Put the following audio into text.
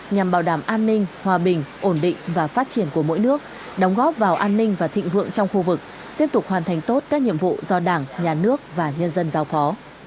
nhằm bảo đảm an ninh hòa bình ổn định và phát triển của mỗi nước đóng góp vào an ninh và thịnh vượng trong khu vực tiếp tục hoàn thành tốt các nhiệm vụ do đảng nhà nước và nhân dân giao phó